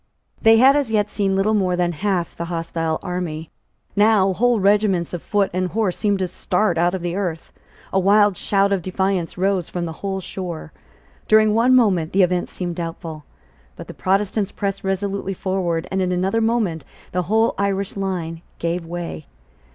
They had as yet seen little more than half the hostile army. Now whole regiments of foot and horse seemed to start out of the earth. A wild shout of defiance rose from the whole shore: during one moment the event seemed doubtful: but the Protestants pressed resolutely forward; and in another moment the whole Irish line gave way.